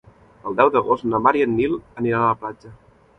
El deu d'agost na Mar i en Nil aniran a la platja.